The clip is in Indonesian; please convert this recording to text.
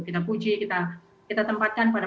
kita puji kita tempatkan pada